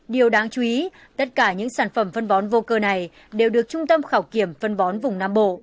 điều đáng chú ý tất cả những sản phẩm phân bón vô cơ này đều được trung tâm khảo kiểm phân bón vùng nam bộ